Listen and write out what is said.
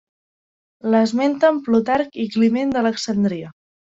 L'esmenten Plutarc i Climent d'Alexandria.